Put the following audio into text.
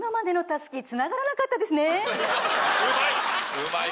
うまい！